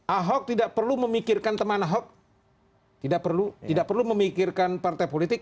ahok tidak perlu memikirkan teman ahok tidak perlu memikirkan partai politik